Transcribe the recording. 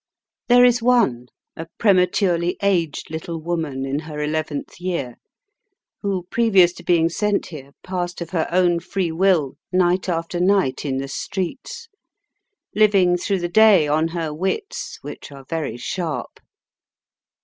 There is one, a prematurely aged little woman in her eleventh year, who, previous to being sent here, passed of her own free will night after night in the streets, living through the day on her wits, which are very sharp.